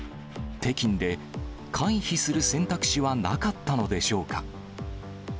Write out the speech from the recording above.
北京で回避する選択肢はなかったのでしょうか。